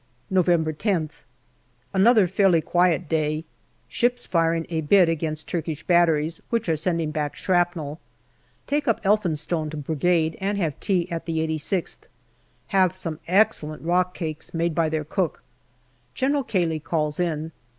November Wth. Another fairly quiet day. Ships firing a bit against Turkish batteries, which are sending back shrapnel. Take up Elphinstone to Brigade and have tea at the 86th. Have some excellent rock cakes, made by their cook. General Cayley calls in.